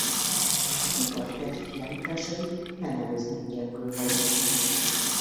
Az Iparterv kiállításai nem előzmény nélkül valók.